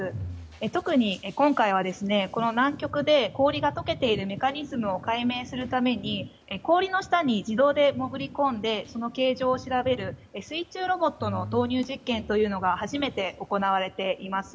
特に、今回は南極で氷が解けているメカニズムを解明するために氷の下に自動で潜り込んでその形状を調べる水中ロボットの投入実験が初めて行われています。